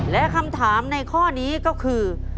และคำถามในข้อนี้ก็คือ